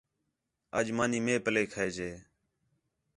اَڄ مانی مے پے کھیے جے